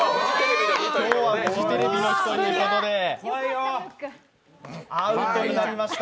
フジテレビの日ということで、アウトになりました。